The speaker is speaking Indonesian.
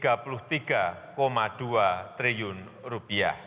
mobilisasi pendapatan negara dilakukan